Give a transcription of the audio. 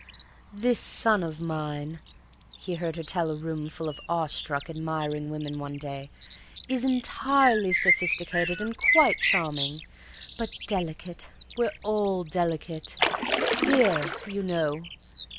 "This son of mine," he heard her tell a room full of awestruck, admiring women one day, "is entirely sophisticated and quite charming—but delicate—we're all delicate; here, you know."